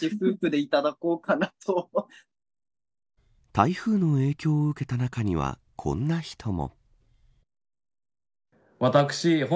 台風の影響を受けた中にはこんな人も。